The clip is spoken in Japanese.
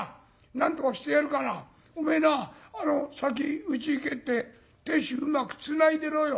なんとかしてやるからおめえな先うちへ帰って亭主うまくつないでろよ。